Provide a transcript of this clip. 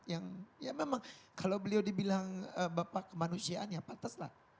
ya memang kalau beliau dibilang bapak kemanusiaan ya patah lah